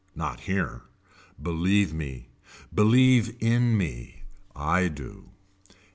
Not here. Believe me. Believe in me. I do.